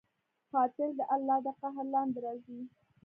قاتل د الله د قهر لاندې راځي